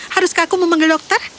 haruskah aku memanggil dokter